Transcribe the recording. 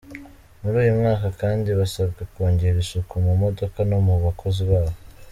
Muri uyu mwaka kandi basabwe kongera isuku mu modoka no mu bakozi bazo.